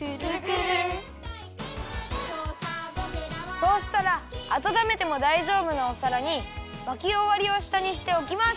そうしたらあたためてもだいじょうぶなおさらにまきおわりをしたにしておきます。